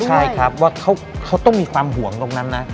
ใช่ครับว่าเขาต้องมีความห่วงตรงนั้นนะ